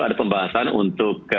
ada pembahasan untuk